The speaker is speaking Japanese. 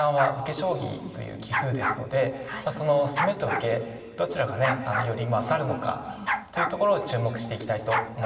将棋という棋風ですのでその攻めと受けどちらがねより勝るのかというところを注目していきたいと思っています。